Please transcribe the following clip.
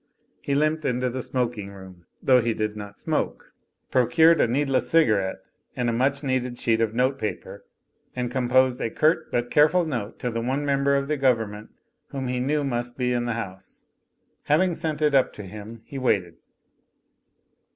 He limped into the Smoking Room (though he did not smoke), procured a needless cigarette and a much needed sheet of note paper, and composed a curt but careful note to thfe 214 THE FLYING INN one member of the government whom he knew must be in the House. Having sent it up to him, he waited.